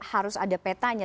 harus ada petanya